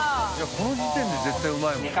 この時点で絶対うまいもんね。